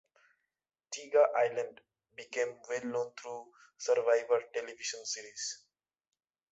Tiga Island became well known through the "Survivor" television series.